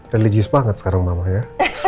religius banget sekarang mama ya